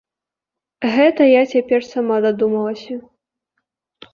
Гэта я цяпер сама дадумалася.